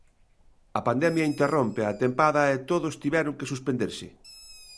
A pandemia interrompe a tempada e todos tiveron que suspenderse.